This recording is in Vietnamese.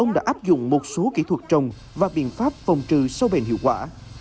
ông đã áp dụng một số kỹ thuật trồng và biện pháp phòng trừ sau bền hiệu quả